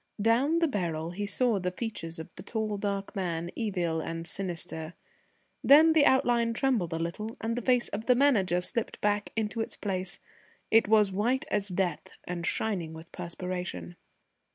Down the barrel he saw the features of the tall dark man, evil and sinister. Then the outline trembled a little and the face of the Manager slipped back into its place. It was white as death, and shining with perspiration.